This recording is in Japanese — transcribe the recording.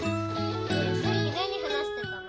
さっき何話してたの？